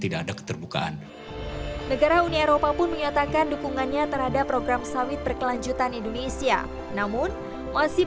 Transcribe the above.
ini eropa pun menyatakan dukungannya terhadap program sawit berkelanjutan indonesia namun masih